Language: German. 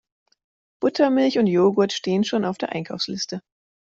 Buttermilch und Jogurt stehen schon auf der Einkaufsliste.